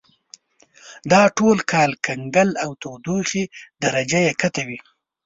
دا ټول کال کنګل او تودوخې درجه یې کښته وي.